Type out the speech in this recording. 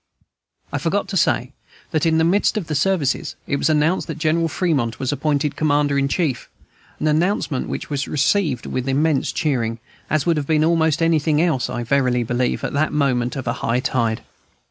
I forgot to say, that, in the midst of the services, it was announced that General Fremont was appointed Commander in Chief, an announcement which was received with immense cheering, as would have been almost anything else, I verily believe, at that moment of high tide.